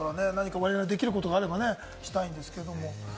我々に何かできることがあればしたいんですけれども。